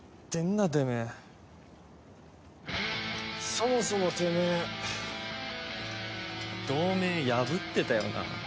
そもそもてめえ同盟破ってたよなあ？